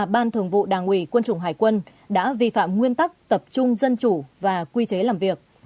ban thường vụ đảng ủy quân chủng hải quân đã vi phạm nguyên tắc tập trung dân chủ và quy chế làm việc